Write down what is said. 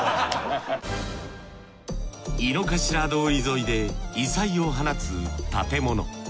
井の頭通り沿いで異彩を放つ建物。